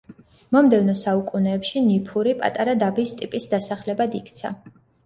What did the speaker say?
მომდევნო საუკუნეებში ნიფური პატარა დაბის ტიპის დასახლებად იქცა.